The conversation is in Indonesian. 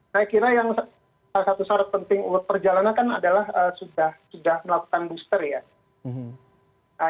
saya kira yang salah satu syarat penting untuk perjalanan kan adalah sudah melakukan booster ya